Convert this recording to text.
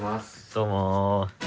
どうも。